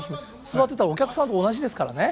座ってたらお客さんと同じですからね。